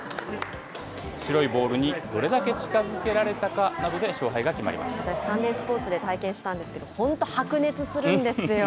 白いボールにどれだけ近づけられ私、サンデースポーツで体験したんですけれども、白熱するんですよ。